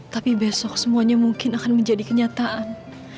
tapi besok semuanya mungkin akan menjadi kenyataan